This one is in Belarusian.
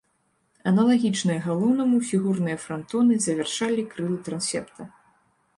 Аналагічныя галоўнаму фігурныя франтоны завяршалі крылы трансепта.